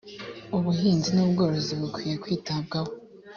ubuhinzi n’ubworozi bikwiye kwitabwaho